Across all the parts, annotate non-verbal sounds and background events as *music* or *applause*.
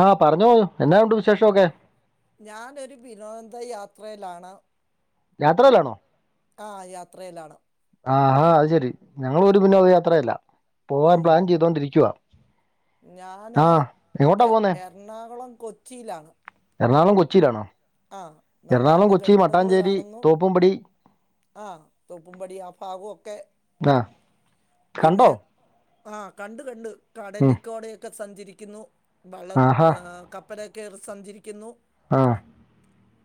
ആഹ് പറഞ്ഞോ എന്നാ ഉണ്ട് വിശേഷമൊക്കെ ഞാനൊരു വിനോദയാത്രയിലാണ്. യാത്രയിലാണോ ആഹ് യാത്രയിലാണ്. ആഹ് അത് ശെരി ഞങ്ങളും ഒരു വിനോദയാത്രയിലാ പോവാൻ ഉം പ്ലാൻ ചെയ്തോണ്ടിരിക്കുവാ. ഞാന് എ എറണാകുളം കൊച്ചിയിലാണ്. എറണാകുളം കൊച്ചിയിലാണോ ആഹ് നല്ല നല്ല കെട്ടിടങ്ങള് കാണുന്നു. വുംമ്പടി ആഹ് തോപ്പും പടി ആഹ് ഭാഗൊക്കെ ആ പിന്നെ കണ്ടോ ആഹ് കണ്ട് കണ്ട് ഉം. കടലിക്കോടെയൊക്കെ സഞ്ചരിക്കുന്നു വള ആഹാ ക പ്പലി കേറി സഞ്ചരിക്കുന്നു. ആഹ്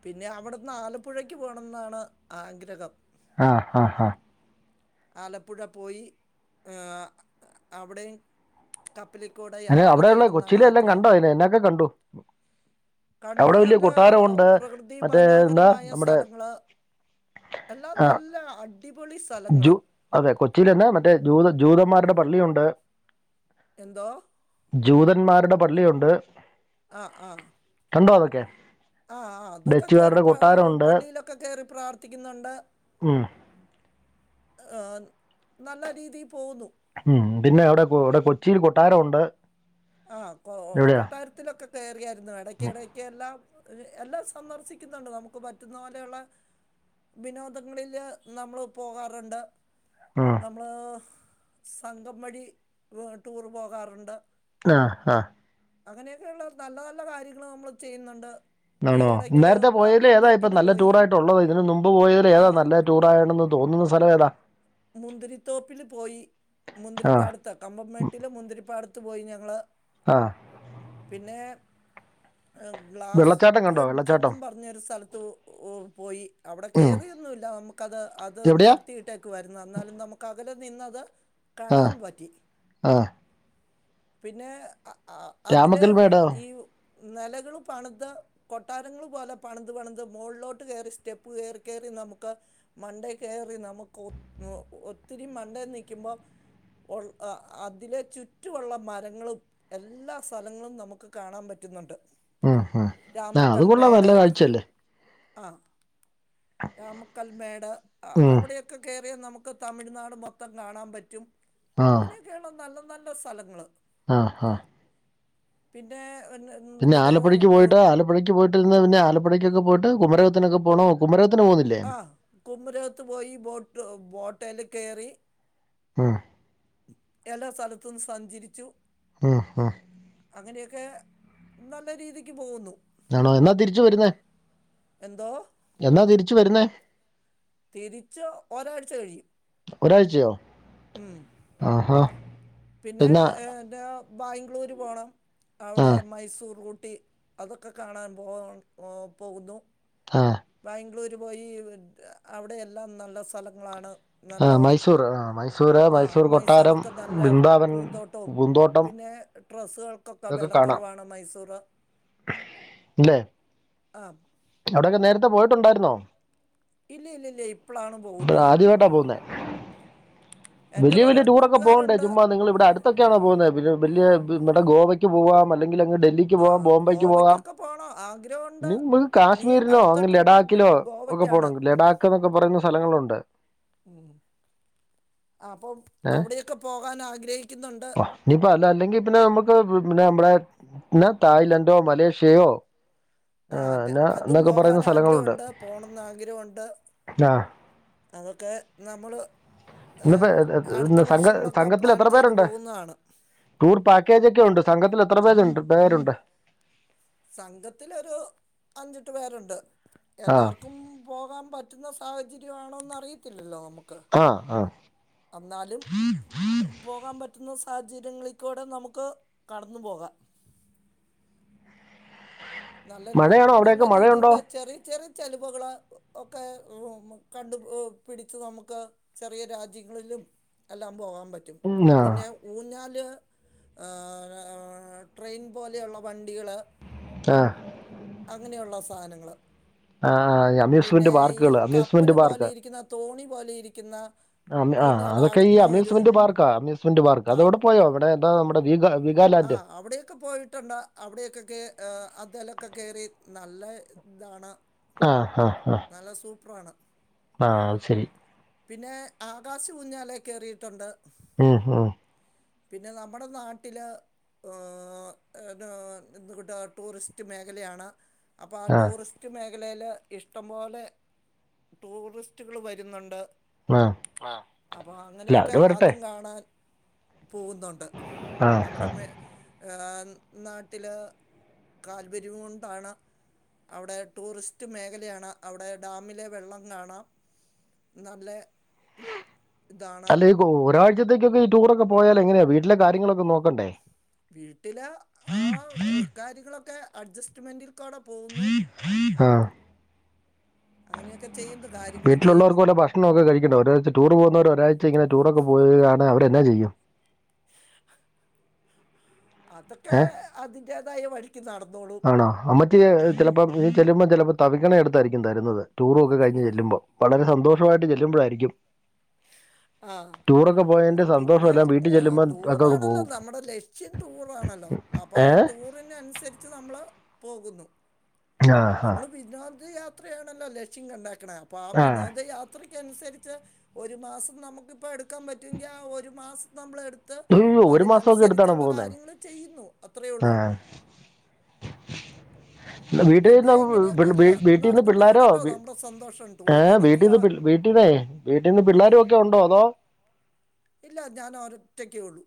പിന്നെ അവിടുന്ന് ആലപ്പുഴക്ക് പോണം എന്നാണ് ആഗ്രഹം. ആഹ് ആഹ് ആഹ് ആലപ്പുഴ പോയി ഏഹ് അവിടെയും കപ്പലികൂടെ അതിന് യാത്ര അവിടെയുള്ള ചെയ്യണെന്നാണ് കൊച്ചിയിലെ എല്ലാം ആഗ്രഹം. കണ്ടോ അതിന് എന്നൊക്കെ കണ്ടു കണ്ട് അവിടെ വലിയ നല്ല കൊട്ടാരമുണ്ട് പ്രകൃതി മറ്റേ എന്താ മനോഹരമായ നമ്മുടെ സ്ഥലങ്ങള്. എല്ലാം ആ, നല്ല അടിപൊളി ജൂ സ്ഥലങ്ങള്. അതെ കൊച്ചിൽ എന്ന മറ്റേ ജൂത ജൂതന്മാരുടെ പള്ളിയുണ്ട്. എന്തോ ജൂതന്മാരുടെ പള്ളിയുണ്ട്. ആഹ് ആഹ് കണ്ടോ അതൊക്കെ ആഹ് ആഹ് അതൊക്കെ കേറി ഡച്ചുകാരുടെ പ കൊട്ടാരമുണ്ട് പള്ളിയിലൊക്കെ കയറി പ്രാർത്ഥിക്കുന്നുണ്ട്. ഉം അഹ് നല്ല രീതിയിൽ പോകുന്നു. ഉം പിന്നെ എവിടെ ഇവിടെ കൊച്ചിയിൽ കൊട്ടാരം ഉണ്ട്. ആഹ് കൊ കൊട്ടാരത്തിലൊക്കെ കയറിയായിരുന്നു എടക്ക് എടക്ക് എല്ലാം എല്ലാം സന്ദർശിക്കുന്നുണ്ട് നമുക്ക് പറ്റുന്ന പോലെയുള്ള വിനോദങ്ങളില് നമ്മൾ പോകാറുണ്ട്. ആ നമ്മൾ സംഘം വഴി ടൂർ പോകാറുണ്ട്. ആഹ് ആഹ് അങ്ങനെയൊക്കെയള്ള നല്ല നല്ല കാര്യങ്ങള് നമ്മള് ചെയ്യുന്നുണ്ട്. ഈ ആണോ ഇടയ്ക്ക് നേരത്തെ പോയതി ഏതാ ഇപ്പ കമ്പംമേട്ടിന് നല്ല പോയി ടൂർ ആയിട്ടുള്ളത് ഇതിന് മുമ്പ് പോയതിൽ ആ ഏതാ നല്ല ടൂറ് ആണെന്ന് തോന്നുന്ന സ്ഥലം ഏതാ മുന്തിരിത്തോപ്പിൽ പോയി ആ മുന്തിരിപ്പാടത്ത് കമ്പംമേട്ടില് മുന്തിരിപ്പാടത്ത് പോയി ഞങ്ങള്. ആഹ് പിന്നെ ആഹ് ഗ്ലാസ് വെള്ളച്ചാട്ടം കണ്ടോ വെള്ളച്ചാട്ടം ബ്രിഡ്ജെന്നും പറഞ്ഞൊരു സ്ഥലത്ത് പോയി അവിടെ ഉം കയറിയൊന്നുമില്ല നമുക്ക് ക്കത് അത് എവിടെയാ നിർത്തിട്ട് ക്ക്‌ വരുന്നെ എന്നാലും നമുക്ക് അകലെ നിന്നത് ആ കാണാൻ പറ്റി ആ പിന്നെ അഹ് ആഹ് അതിലെ രാമക്കൽമേടോ ഈ നെലകൾ പണിത കൊട്ടാരങ്ങൾ പോലെ പണിത് പണിത് മുകളിലോട്ട് കയറി സ്റ്റെപ്പ് കേറി കേറി നമുക്ക് മണ്ടെ കയറി നമുക്ക് ഒത്തിരി മണ്ടെ നിൽക്കുമ്പോ ഉണ് അഹ് അതിലെ ചുറ്റുമുള്ള മരങ്ങളും എല്ലാ സ്ഥലങ്ങളും നമുക്ക് കാണാൻ പറ്റുന്നുണ്ട് ഉം ഉം ആ അത് കൊള്ളാം നല്ല രാമക്കൽമേട് കാഴ്ചയല്ലേ ആഹ് രാമക്കൽമേട് ഉം അവിടെയൊക്കെ കയറിയാൽ നമുക്ക് തമിഴ്നാട് മൊത്തം കാണാൻ പറ്റും ആ അങ്ങനെയൊക്കെയള്ള നല്ല നല്ല സ്ഥലങ്ങള് ആഹ് ആഹ് പിന്നെ *unintelligible* പിന്നെ ആലപ്പുഴക്ക് പോയിട്ട് ആലപ്പുഴക്ക് പോയിട്ട് ട്ടിൽന്ന് പിന്നെ ആലപ്പുഴേക്ക്‌ ഒക്കെ പോയിട്ട് കുമരകത്തിനൊക്കെ പോണോ കുമരകത്തിന് പോണില്ലേ ആ കുമരകത്ത് പോയി ബോട്ട് ബോട്ടേൽ കയറി ഉം എല്ലാ സ്ഥലത്തും സഞ്ചരിച്ചു ഉം ഉം അങ്ങനെയൊക്കെ നല്ല രീതിക്ക് പോകുന്നു ആണോ എന്നാ തിരിച്ചു വരുന്നേ എന്തോ എന്നാ തിരിച്ചു വരുന്നേ തിരിച്ച് ഒരാഴ്ച കഴിയും ഒരാഴ്ചയോ ഉം ആഹാ പിന്നെ എന്നാ എന്താ ബാംഗ്ലൂര് പോണം ആ അവിടെ മൈസൂർ ഊട്ടി അതൊക്കെ കാണാൻ പോ പോകുന്നു ആഹ് ബാംഗ്ലൂര് പോയി അവിടെ എല്ലാം നല്ല സ്ഥലങ്ങളാണ് ആ നല്ല മൈസൂർ ആ മൈസൂര് ആഹ് മൈസൂർ കൊട്ടാരം മൈസൂരൊക്കെ നല്ല ബൃന്ദാവൻ പൂന്തോട്ടവും പൂന്തോട്ടം പിന്നെ ഡ്രെസ്സുകൾക്കൊക്കെ ഇതൊക്കെ കാണാം വിലക്കുറവാണ് മൈസൂർ ഇല്ലേ ആഹ് അവിടെയൊക്കെ നേരത്തെ പോയിട്ടുണ്ടായിരുന്നോ ഇല്ല ഇല്ല ഇല്ല ഇപ്പളാണ് ഇപ്പൊ പോകുന്നത് ആദ്യമായിട്ടാ പോകുന്നേ എൻ്റെ വലിയ കുറേ വലിയ ടൂറൊക്കെ പോകണ്ടേ കൂട്ടുകാരുണ്ട് ചുമ്മ നിങ്ങൾ ഇവിടെ അടുത്ത് ത്തൊക്കെയാണോ പോകുന്നത് പിന്നെ വലിയ ഇവിടെ ഗോവയ്ക്ക് പോവാം അല്ലെങ്കിൽ അങ്ങ് ഡൽഹി ക്ക്‌ ആ പോവാം ബോംബൈക്ക് പോവാം ഗോവയ്ക്കൊക്കെ പോകണം ആഗ്രഹമുണ്ട് നി ഇനി കാശ്മീരിലോ അടുത്ത അങ്ങ് ട്രിപ്പ് ലഡാക്കിലോ ഒക്കെ ഗോവയ്ക്കാണ് പോകണം ലഡാക്ക് എന്നൊക്കെ പറയുന്ന സ്ഥലങ്ങളുണ്ട് ഉം അപ്പം അവിടെയൊക്കെ പോകാൻ ആഗ്രഹിക്കുന്നുണ്ട് നിഇപ്പം അല്ല അല്ലെങ്കിൽ പിന്നെ നമ്മുക്ക് പിന്നെ നമ്മടെ ന്നെ തായ്ലന്റോ മലേഷ്യയൊ ആഹ് അതെ അതും പോകാൻ പറയുന്ന സ്ഥലങ്ങളുണ്ട് ആഗ്രഹംണ്ട് പോണംന്ന് ആഗ്രഹോണ്ട് ആഹ് അതൊക്കെ നമ്മൾ ഏഹ് ഇന്നിപ്പോ എ- എ- അടുത്ത ഇന്ന് സംഘ വർഷങ്ങളൊക്കെ സംഘത്തിൽ പ്ലാൻ എത്ര ചെയ്തു പേരുണ്ട് പോകുന്നതാണ് ടൂർ പാക്കേജ് ഒക്കെ ഉണ്ട് സംഘത്തിൽ എത്ര പേജുണ്ട് പേരുണ്ട് സംഘത്തിലൊരു അഞ്ചെട്ട് പേരുണ്ട് ആഹ് എല്ലാവർക്കും പോകാൻ പറ്റുന്ന സാഹചര്യംമാണോെന്ന് അറിയത്തില്ലല്ലോ നമുക്ക് ആ ആ എന്നാലും പോകാൻ പറ്റുന്ന സാഹചര്യങ്ങളിൽക്കൂടെ നമുക്ക് കടന്നു പോകാം നല്ല മഴയാണോ നല്ല അവിടെയൊക്കെ രീതികൾ മഴയുണ്ടോ ചെറിയ ചെറിയ ചലവകൾ ഒക്കെ കണ്ടു പിടിച്ച് നമുക്ക് ചെറിയ രാജ്യങ്ങളിലും എല്ലാം പോകാൻ പറ്റും ആഹ് പിന്നെ ഊഞ്ഞാല് ട്രെയിൻ പോലെയുള്ള വണ്ടികൾ ആ അങ്ങനെയുള്ള സാധനങ്ങള് ആഹ് അമ്യൂസ്മെന്റ് പിന്നെ ഈ പാർക്കുകൾ അമ്യൂസ്മെന്റ് കപ്പല് പോലെ പാർക്ക് ഇരിക്കുന്ന തോണി പോലെ ഇരിക്കുന്ന അ ആ അതൊക്കെഈ ഊഞ്ഞാലാടുന്ന ഒരു അമ്യൂസ്മെന്റ് പാർക്കാ അമ്യൂസ്മെന്റ് പാർക്ക് ആ അതെവിടെ പോയോ ഇവിടെ എന്താ നമ്മ വീഗ ആ വീഗാലാൻഡ് അവിടെക്കെ പോയിട്ടണ്ട അവിടെയൊക്കൊക്ക അതിലൊക്കെ കയറി നല്ല ഇതാണ്. ആഹ ആഹ ആഹ നല്ല സൂപ്പറാണ്. ആഹ അ ശരി പിന്നെ ആകാശ കുഊഞ്ഞാലേ കയറിയിട്ടുണ്ട് ആഹ ആഹ *unintelligible* പിന്നെ നമ്മുടെ നാട്ടില് എ കിട്ട് ടൂറിസ്റ്റ് മേഖലയാണ് അപ്പൊ ആ ആഹ് ടൂറിസ്റ്റ് മേഖലയില് ഇഷ ഇഷ്ടംപോലെ ടൂറിസ്റ്റുകൾ വരുന്നുണ്ട് ആഹ് അപ്പൊ അല്ല അങ്ങനെയൊക്കെ അവര് വരട്ടെ അതും കാണാൻ പോകുന്നുണ്ട് ആഹ് നമ്മുടെ മ നാട്ടില് കാല്പര്യവും കൊണ്ടാണ് അവിടെ ടൂറിസ്റ്റ് മേഖലയാണ്. അവിടെ ഡാമിലെ വെള്ളം കാണാം നല്ല ഇതാണ് അല്ല ഒരാഴ്ചത്തേക്കൊക്കെ ഈ ടൂറൊക്കെ പോയാൽ എങ്ങനെയാ വീട്ടിലെ കാര്യങ്ങളൊക്കെ നോക്കണ്ടേ? വീട്ടില ആ കാര്യങ്ങളൊക്കെ അഡ്ജസ്റ്റ്മെന്റിൽ ആ അങ്ങനെയൊക്കെ ചെയ്യുന്നു കാര്യങ്ങൾ ചെയ്യുന്നു. പ്രമ ഒക്കെ കഴിക്കണ്ട ഒരാഴ് ടൂർ പോകവ ഒരാഴ്ച ഇങ്ങന ടൂറൊക്കെ പോയാണ് അവരെന്നാ ചെയ്യും? *inaudible* അതൊക്കെ ഏഹ് അതിൻന്റേതായ വഴിക്ക് നടന്നോളൂ ആണോ അമ്മറ്റ ചിലപ്പോ ചെല്ലുമോൾ ചിലപ്പോ തവിിക്കണ എടുത്തായിരിക്കും തരുന്നത്ടൂറ ഒക്കെ കഴഞ്ഞ് ചെല്ലുമ്പോ വളരെ സന്തോഷമായിട്ട് ചെല്ലുമ്പോഴായിരിക്കും ഉ *unintelligible* ആ ടൂറൊക്കെ പോയതിന്റെ സന്തോഷം പിന്നെ എല്ലാം വീട്ടിൽ ചെല്ലുമ്പോൾ ഒക്കെ അങ്ങ് ടൂറാണല്ലോ പോകും നമ്മുടെ ലക്ഷ്യൻ ടൂറാണല്ലോ? അപ്പൊ ആ ഏഹ് ടൂറിന് അനുസരിച്ച് നമ്മൾ പോകുന്നു ആഹ ഹാ നമ്മള് വിനോദയാത്രയാണല്ലോ ലക്ഷ്യം കണ്ടാക്കണ അപ്പൊ ആ ആഹ് വിനോദയാത്രക്ക് അനുസരിച്ച് ഒരു മാസം നമുക്കിപ്പോം എടുക്കാൻ പറ്റുമെങ്കിൽ ആ ഒരു മാസം നമ്മൾ എടു ത്ത് അയ്യോ ഒരു മാസമൊക്കെ എടുത്താണോ അതിനനുസരിച്ചുള്ള പോകുന്നേ കാര്യങ്ങൾ ചെയ്യുന്നു അത്രയേ ഉള്ളൂ ഉ *unintelligible* *inaudible* വീട്ടിൽന്ന് പിന്നെ ഇങ്ങനെയൊക്കെ അങ്ങ് വീട്ടിൽന്ന് പിള്ളോരോ നടക്കുന്നതാണല്ലോ നമ്മുടെ സന്തോഷം ഏ ടൂറടിക്കുക വീട്ടിൽന്ന് വീട്ടിൽന്നേ വീട്ടീന്ന് ഉം പിള്ളേരു ഒക്കെ ഉണ്ടോ അതോ? ഇല്ല ഞാൻ ഒരറ്റക്കേ ഉള്ളൂ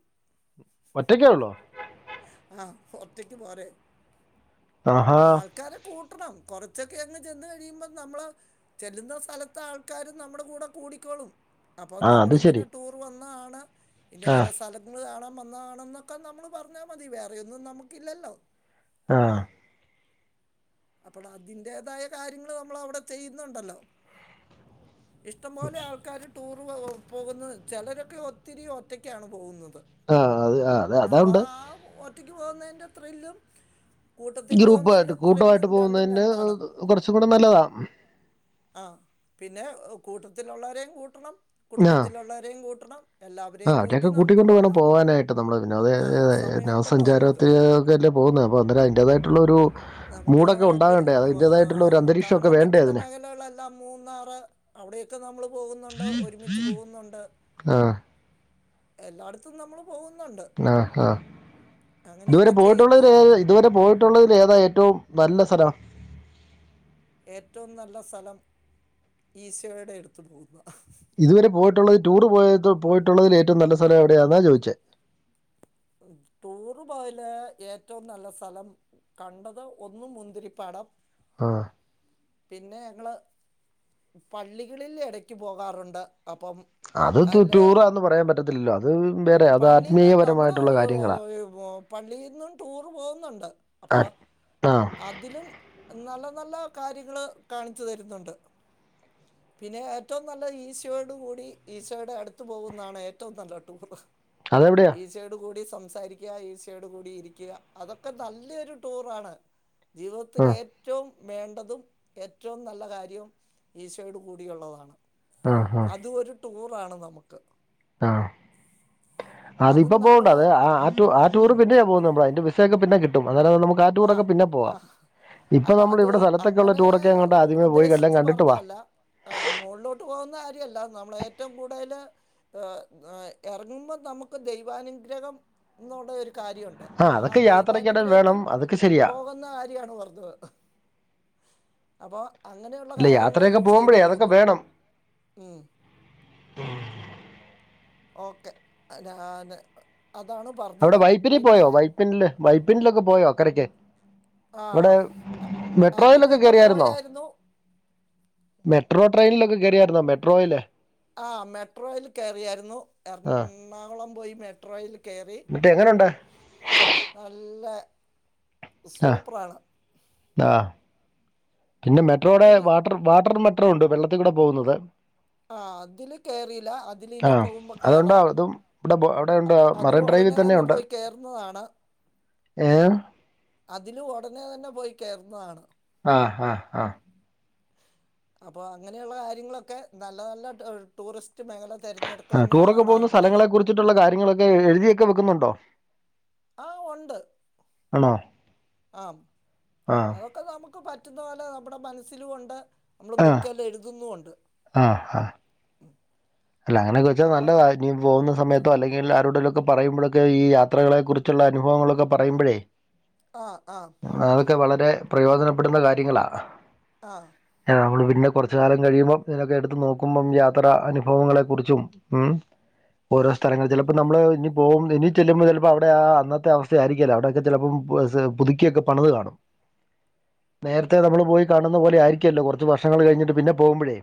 ഒറ്റക്കെ ഉള്ളോ ആഹ് ഒറ്റക്ക് പോരെ ആഹാ ആൾ ക്കാരെ കൂട്ടണം കുറച്ചൊക്കെ അങ്ങ് ചെന്ന് കഴിയുമ്പോൾ നമ്മള് ചെല്ലുന്ന സ്ഥലത്ത് ആൾക്കാര് നമ്മുടെ കൂടെ കൂടിക്കോളും അപ്പോൾ ആ അത് നമ്മളിങ്ങനെ ശരി ടൂറ് വന്നതാണ് ആ ഇന്നപോലെ സ്ഥലങ്ങൾ കാണാൻ വന്നതാണ് എന്നൊക്കെ നമ്മള് പറ ഞ്ഞാമതി വേറെയൊന്നും നമുക്കില്ലല്ലോ ആഹ് അപ്പൊള് അതിന്റേതായ കാര്യങ്ങൾ നമ്മൾ അവിടെ ചെയ്യുന്നുണ്ടല്ലോ ഇഷ്ടംപോലെ ആൾക്കാരും ടൂറ് പോകുന്ന ചിലരൊക്കെ ഒത്തിരി ഒറ്റക്കാണ് പോകുന്നത് ആ അത് ആ അത് അപ്പോ അതുകൊണ്ട് ആഹ് ഒ റ്റക്ക് പോകുന്നതിന്റെ ത്രില്ലും കൂട്ടത്തിൽ ഗ്രൂപ്പായിട്ട് പോകുന്നതിന്റെ കൂട്ടമായിട്ട് പോകുന്നതിന്റെ കുറച്ചും കൂടി നല്ലതാണ് ആഹ് പിന്നെ കൂട്ടത്തിലുള്ളവരെയും കൂട്ടണം കുടുംബത്തിലുള്ളവരെയും കൂട്ടണം ആഹ് എല്ലാവരെയും കൂട്ടി അവരെയൊക്കെ നമുക്ക് കൂട്ടിക്കൊണ്ട് വേണം പോകാം പോവാനായിട്ട് നമ്മള് വിനോദ ആ സമയമുണ്ടല്ലോ നമുക്ക് വിനോസഞ്ചാരത്തില് *unintelligible* പോകുന്നത് അപ്പൊ അതിന്റേതായിട്ടുള്ളൊരു നമുക്ക് ഒരു അന്തരീക്ഷമൊക്കെ കാണാൻ വേണ്ടേ പറ്റുന്ന അതിന് മേഖലകളെല്ലാം മൂന്നാറ് അവിടെയൊക്കെ നമ്മൾ പോകുന്നുണ്ട് ഒരുമിച്ച് പോകുന്നുണ്ട് ആ എല്ലാടത്തും നമ്മളും ആഹ് ആഹ് ഇതുവരെ അങ്ങനെയൊക്കെ ചെയ്യുന്നു പോയിട്ടുള്ളതിൽ ഏ ഇതുവരെ പോയി ട്ടുള്ളതിൽ ഏതാ ഏറ്റവും നല്ല സ്ഥലം ഏറ്റവും നല്ല സ്ഥലം ഈശോയുടെ എടുത്തു പോകുന്നതാ ഇതുവരെ പോയിട്ടുള്ളത് ടൂറ് പോയത് പോയിട്ടുള്ളതിൽ ഏറ്റവും നല്ല സ്ഥലം എവിടെയാണെന്നാണ് ചോദിച്ചേ ടൂറ്പോയേല് ഏറ്റവും നല്ല സ്ഥലം കണ്ടത് ഒന്ന് മുന്തിരിപ്പാടം ആഹ് പിന്നെ ഞങ്ങള് പള്ളികളിൽ ഇടയ്ക്ക് പോകാറുണ്ട് അപ്പം അത് അതിൽ ടൂറാന്ന് പറയാൻ പറ്റത്തില്ലല്ലോ അത് വേറെ അത് ആത്മീയപരമായിട്ട് പള്ളിന്നും ടൂർ പോകുന്നുണ്ട് ആ അപ്പം ആ അതിലും നല്ല നല്ല കാര്യങ്ങള് കാണിച്ചു തരുന്നുണ്ട് പിന്നെ ഏറ്റവും നല്ല ഈശയോട് കൂടി ഈശയോയുടെ അടുത്ത് പോകുന്നതാണ് ഏറ്റവും നല്ല ടൂറ് അതെവിടെയാ ഈശോയോട് കൂടി സംസാരിക്കുക ഈശോയോട് കൂടി ഇരിക്കുക അതൊക്കെ നല്ലൊരു ടൂറ് ആണ് ആ ജീവിതത്തിലെ ഏറ്റവും വേണ്ടതും ഏറ്റവും നല്ല കാര്യവും ഈശോയോട് കൂടിയുള്ളതാണ് ആ ആ അതും ഒരു ടൂറ് ആണ് നമുക്ക് ആഹ് അതും അതിപ്പൊ പോകണ്ട നമ്മള് അത് ആഹ് ടൂർ ടൂറ് പിന്നെയാ പോകുന്നത് നമ്മള് അതിന്റെ വിസ ഒക്കെ പിന്നെകിട്ടും അനേരം നമുക്ക് ആ ടൂറൊക്കെ പിന്നെ ആ പോവാം ഇപ്പൊ അല്ല നമ്മൾ അത് ഇവിടെ സ്ഥലത്തൊക്കെുള്ളള്ള അങ്ങനെ ടൂറക്കെ അങ്ങോട്ട് ആദ്യമേ പോയി എല്ലാം കണ്ടിട്ടു വാ ആഹ് മോളിലോട്ട് പോകുന്ന കാര്യമല്ല നമ്മള് ഏറ്റവും കൂടുതല് ഇറങ്ങുമ്പോൾ നമുക്ക് ദൈവാനുഗ്രഹം എന്നുള്ള ഒരു കാര്യമുണ്ട് ആ അതൊക്കെ ആഹ് യാത്രയ്ക്കിടെ വേണം ദൈവാനുഗ്രഹത്തിൽ അതൊക്കെ ശരിയാ പോകുന്ന കാര്യാണ് പറഞ്ഞത് അപ്പൊ അങ്ങനെയുള്ള ഇല്ല കാര്യങ്ങള് യാത്രയൊക്കെ ചെയ്തു പോകുമ്പോഴേ അതൊക്കെ പോകുന്നു വേണം ഉം ഓക്കെ ഞാൻ അതാണ് പറഞ്ഞത് പിന്നെ പിന്നെ വൈപ്പിനിലൊക്കെ പോയോ അക്കരയ്ക്ക് ഇവിടെ ആഹ് മെട്രോയിലൊക്കെ അതിലൊക്കെ കേയൺറിയായിരുന്നോ പോയായിരുന്നു മെട്രോ ട്രെയിനിലൊക്കെ കയായിരുന്നോ മെട്രോയില്ലേ ആഹ് മെട്രോയിൽ കയറിയായിരുന്നു ആ എറണാകുളം പോയി മെട്രോയിൽ കയറി ന്നിട്ട്എങ്ങനുണ്ട് നല്ല ആ സൂപ്പറാണ് ആ പിന്നെ മെട്രോടെ ഒത്തിരി വാട്ടർ മെട്രാണ്ട്വെ വെള്ളത്തിൽക്കൂടെ പോകുന്നത് ആ അതില് കേറില്ല ആ അതിലിനി പോകുമ്പോ അതുണ്ടോ കേറാം അതും ഇവിടെ ബോ- അവിടെ ഉണ്ട് അത് മറൈൻ ഡ്രൈവിൽ ഉടനെ തന്നെ പോയി കേറുന്നതാണ് ഏ് അതിലും ഉടനെ തന്നെ പോയി കേർതതാണ് ആഹ് ആഹ് ആഹ അപ്പൊ അങ്ങനെയുള്ള കാര്യങ്ങളൊക്കെ നല്ല നല്ല ടൂറിസ്റ്റ് മേഖല തെരെഞ്ഞടുക്ക ആ ടൂറൊക്കെ പോകുന്ന സ്ഥലങ്ങളെ കുറിച്ചിട്ടുള്ള കാര്യങ്ങളൊക്കെ എഴുതിയൊക്കെ വെക്കുന്നുണ്ടോ ആ ഉണ്ട് ആണോ ആ ആ അതൊക്കെ നമുക്ക് ക്ക് പറ്റുന്ന പോലെ നമ്മുടെ മനസ്സിലുണ്ട് നമ്മള് ആ ബുക്കെല്ലാം എഴുതുന്നുണ്ട് ആ ആ ഉം അല്ല അങ്ങനൊക്കെച്ചാ നല്ല ഇനി പോകുന്ന സമയത്തോ അല്ലെങ്ക ആരുടെടിലൊക്കെ പറയുമ്പോഴൊക്കെ യാത്രകളെക്ക കുറിച്ചുള്ള അനുഭവങ്ങളൊക്കെ പറയുമ്പോഴേ ആഹ് ആഹ അതൊക്കെ വളരെ പ്രയോജനപ്പെടുന്ന കാര്യങ്ങളാ ആഹ നമ്മള് പിന്നെ കുറച്ച കാലം കഴിയുമ്പം ഇതിനൊക്കെ എടുത്ത് നോക്കുമ്പം യാത്ര വിഭവങ്ങളെ കുറിച്ചും ഉ ഓരോ സ്ഥലങ്ങിൽ ചിലപ്പോൾ നമ്മള് ഇനി പോക ഇനി ചെല്ലുമ്പോൾ ചിലപ്പോ അവിടെ അന്നത്തെ അവസ്ഥ ആയിരിക്കല്ലഅവിടെൊക്കെ ചിലപ്പം പുതുക്കിയൊക്കെ പണിത് കാണും ഉ നേരത്തെ നമ്മൾ പോയി കാണുന്ന പോലെ ആയിരിക്കല്ല കുറച്ച് വർഷങ്ങള് കഴിഞ്ഞിട്ട് പിന്നെ പോകുമ്പോഴേ